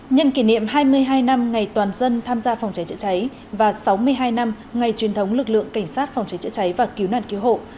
nhân kỷ niệm hai mươi hai năm ngày toàn dân tham gia phòng cháy chữa cháy và sáu mươi hai năm ngày truyền thống lực lượng cảnh sát phòng cháy chữa cháy và cứu nạn cứu hộ